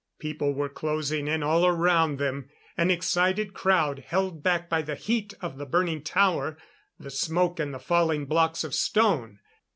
People were closing in all around them an excited crowd held back by the heat of the burning tower, the smoke and the falling blocks of stone.